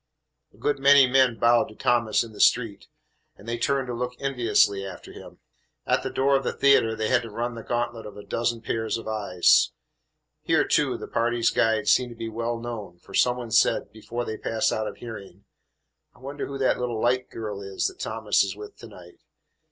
A good many men bowed to Thomas in the street, and they turned to look enviously after him. At the door of the theatre they had to run the gantlet of a dozen pairs of eyes. Here, too, the party's guide seemed to be well known, for some one said, before they passed out of hearing, "I wonder who that little light girl is that Thomas is with to night?